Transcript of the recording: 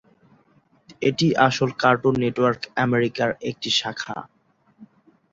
এটি আসল cartoon network আমেরিকার একটি শাখা।